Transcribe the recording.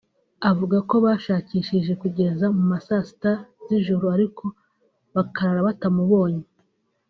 avuga ko bashakishije kugeza mu ma saa sita z’ijoro ariko bakarara batamubonye